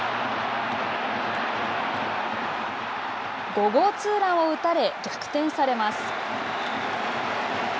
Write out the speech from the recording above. ５号ツーランを打たれ逆転されます。